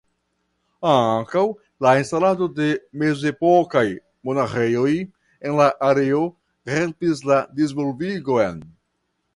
Ankaŭ la instalado de mezepokaj monaĥejoj en la areo helpis la disvolvigon.